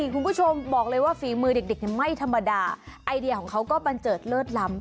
คุณผู้ชมบอกเลยว่าฝีมือเด็กไม่ธรรมดาไอเดียของเขาก็บันเจิดเลิศล้ำ